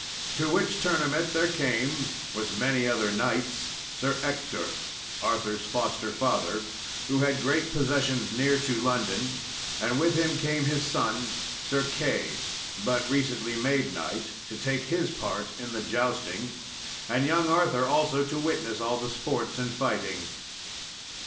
To the which tournament there came, with many other knights, Sir Ector, Arthur's foster father, who had great possessions near to London; and with him came his son, Sir Key, but recently made knight, to take his part in the jousting, and young Arthur also to witness all the sports and fighting.